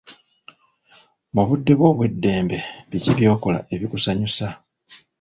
Mu budde bwo obw'eddembe biki by'okola ebikusanyusa?